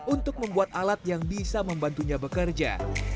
untuk membuat alat yang bisa membantunya bekerja